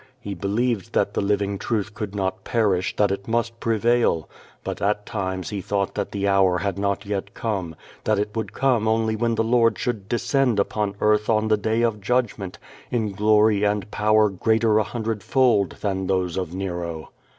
He believed that the living truth could not perish, that it must prevail. But at times he thought that the hour had not yet come, that it would come only when the Lord should descend upon earth on the Day of Judgment, in glory and power greater a hundredfold than those of Nero.